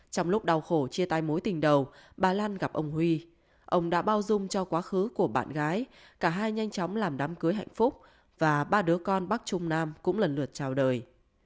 trong lúc đau khổ chia tay mối tình đầu bà lan gặp ông huy ông đã bao dung cho quá khứ của bạn gái cả hai nhanh chóng làm đám cưới hạnh phúc và ba đứa con bắc trung nam cũng lần lượt chào đời